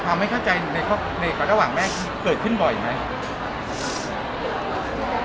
พิมค่ะปัญหาความไม่เข้าใจในระหว่างแม่เกิดขึ้นบ่อยไหม